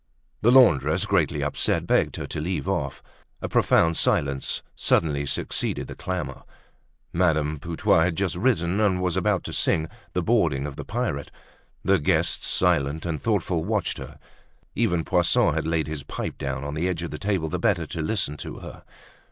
The laundress, greatly upset, begged her to leave off. A profound silence suddenly succeeded the clamor. Madame Putois had just risen and was about to sing "The Boarding of the Pirate." The guests, silent and thoughtful, watched her; even Poisson had laid his pipe down on the edge of the table the better to listen to her.